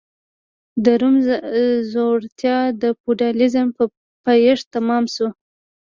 د روم ځوړتیا د فیوډالېزم په پایښت تمام شو.